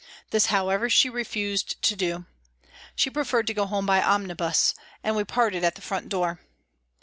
This, however, she refused to do ; she pre ferred to go home by omnibus, and we parted at the front door.